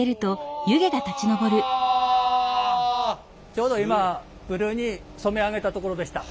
ちょうど今ブルーに染め上げたところでした。